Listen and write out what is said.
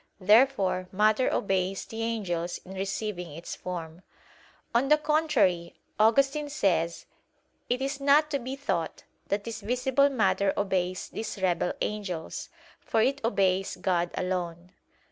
Therefore matter obeys the angels in receiving its form. On the contrary, Augustine says "It is not to be thought, that this visible matter obeys these rebel angels; for it obeys God alone."